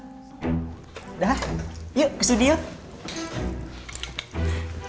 udah yuk kesini yuk